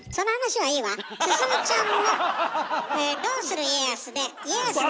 進ちゃんが「どうする家康」で家康の。